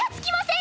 ん？